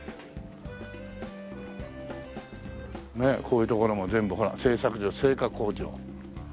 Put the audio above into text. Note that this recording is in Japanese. ねえこういう所も全部ほら製作所製菓工場。